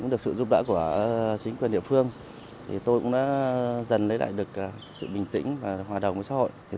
được sự giúp đỡ của chính quyền địa phương tôi cũng đã dần lấy lại được sự bình tĩnh và hòa đồng với xã hội